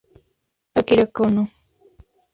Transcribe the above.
Akira Konno